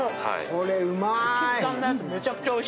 これうまい。